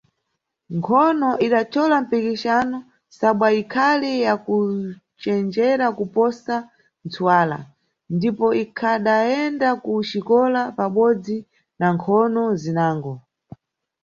Nkhono idachola mpikixano sabwa ikhali yakucenjera kuposa ntsuwala ndipo ikhadayenda ku xikola pabodzi na nkhono zinango.